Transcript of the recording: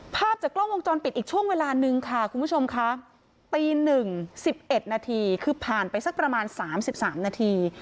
ภาพจากกล้องวงจรปิดอีกช่วงเวลานึงค่ะคุณผู้ชมค่ะตีหนึ่งสิบเอ็ดนาทีคือผ่านไปสักประมาณสามสิบสามนาที